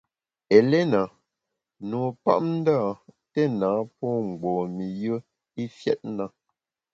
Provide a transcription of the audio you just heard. Eléna, nupapndâ, téna pô mgbom-i yùe i fiét na.